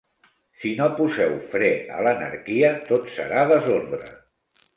Si no poseu fre a l'anarquia tot serà desordre.